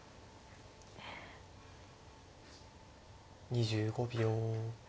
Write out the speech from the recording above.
２５秒。